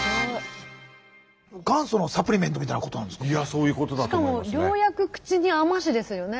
元祖のサプリメントみたいなことなんですかね。